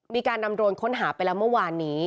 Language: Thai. มีการนำโรนค้นหาไปแล้วเมื่อวานนี้